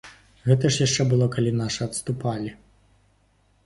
Гэта ж яшчэ было, калі нашы адступалі.